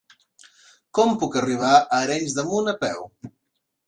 Com puc arribar a Arenys de Munt a peu?